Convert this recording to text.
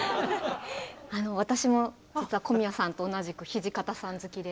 私も実は小宮さんと同じく土方さん好きで。